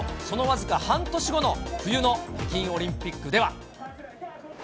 その僅か半年後の冬の北京オリンピックでは。